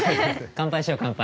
乾杯しよ乾杯。